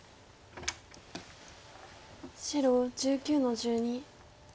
白１９の十二。